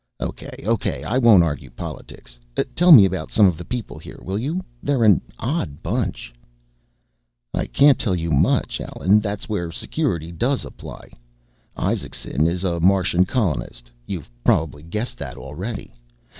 "Okay, okay, I won't argue politics. Tell me about some of the people here, will you? They're an odd bunch." "I can't tell you much, Allen. That's where Security does apply. Isaacson is a Martian colonist, you've probably guessed that already.